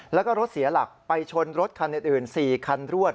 แล้วก็รถเสียหลักไปชนรถคันอื่น๔คันรวด